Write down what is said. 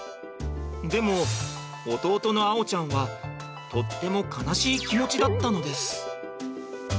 でも弟の碧ちゃんはとっても悲しい気持ちだったのです。